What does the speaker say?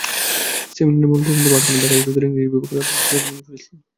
সেমিনারে মূল প্রবন্ধ পাঠ করেন ঢাকা বিশ্ববিদ্যালয়ের ইংরেজি বিভাগের অধ্যাপক সৈয়দ মনজুরুল ইসলাম।